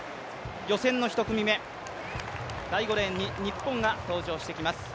予選の１組目、第５レーンに日本が登場してきます。